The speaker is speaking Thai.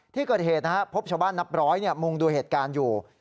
ที่เกิดเหตุนะครับพบชาวบ้านนับร้อยมุงดูเหตุการณ์อยู่